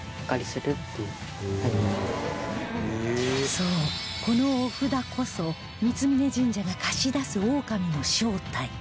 そうこのお札こそ三峯神社が貸し出すオオカミの正体！